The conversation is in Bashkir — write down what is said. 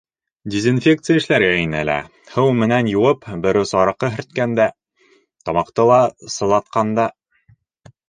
Дезинфекция эшләргә ине лә, һыу менән йыуып, бер ус араҡы һөрткәндә... тамаҡты ла сылатҡанда.